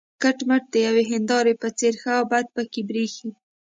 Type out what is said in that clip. کټ مټ د یوې هینداره په څېر ښه او بد پکې برېښي.